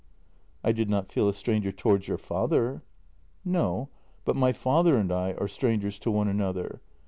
" I did not feel a stranger towards your father." " No, but my father and I are strangers to one another.